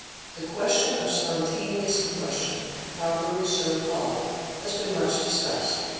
The question of spontaneous combustion, properly so called, has been much discussed.